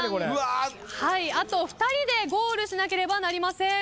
あと２人でゴールしなければなりません。